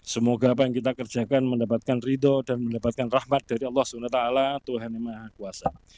semoga apa yang kita kerjakan mendapatkan ridho dan mendapatkan rahmat dari allah swt tuhan yang maha kuasa